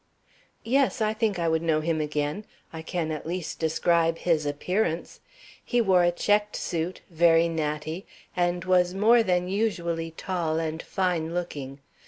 "Yes, I think I would know him again. I can at least describe his appearance. He wore a checked suit, very natty, and was more than usually tall and fine looking.